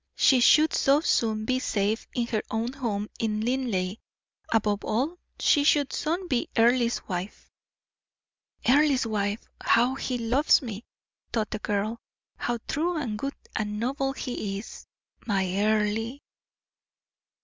She should so soon be safe in her own home in Linleigh; above all, she should soon be Earle's wife. "Earle's wife how he loves me!" thought the girl, "how true and good and noble he is, my Earle!"